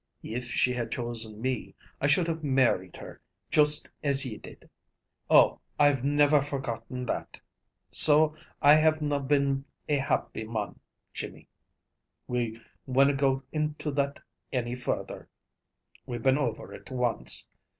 If she had chosen me, I should have married her, juist as ye did. Oh, I've never forgotten that! So I have na been a happy mon, Jimmy. We winna go into that any further, we've been over it once.